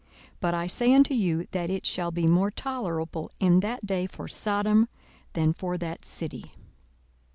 42:010:012 But I say unto you, that it shall be more tolerable in that day for Sodom, than for that city.